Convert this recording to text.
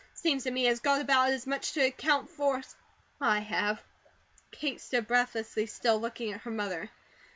Seems to me HE has got about as much to account for as I have." Kate stood breathlessly still, looking at her mother.